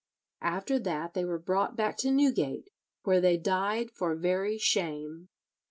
After that they were brought back to Newgate, where they died for very shame.